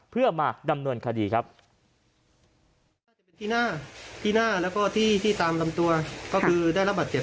เพื่อมาดำเนินคดีครับ